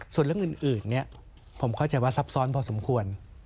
ส่วนเรื่องอื่นผมเข้าใจว่าซับซ้อนพอสมควร